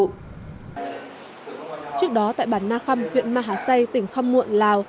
trước đó tại bản na khăm huyện ma hà say tỉnh khăm muộn lào